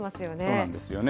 そうなんですよね。